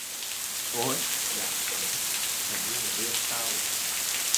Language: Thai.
โอ้ย อยากขำ แต่นี่มันเรื่องเศร้า